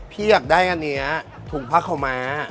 พี่อยากได้อันนี้ถุงผ้าขาวม้า